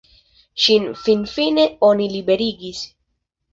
Ŝin finfine oni liberigis.